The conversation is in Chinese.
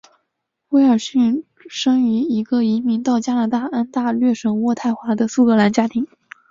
威尔逊生于一个移民到加拿大安大略省渥太华的苏格兰家庭。